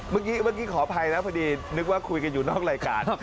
เมื่อกี้เมื่อกี้ขออภัยนะพอดีนึกว่าคุยกันอยู่นอกรายการ